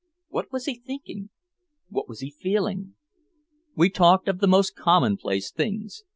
What was he thinking? What was he feeling? We talked of the most commonplace things.